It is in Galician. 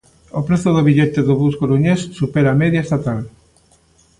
O prezo do billete do bus coruñés supera a media estatal.